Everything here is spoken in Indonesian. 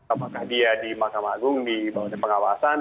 apakah dia di mahkamah agung di pengawasan